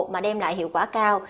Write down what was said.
mà đem lại hiệu quả cao